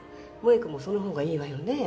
萠子もその方がいいわよね？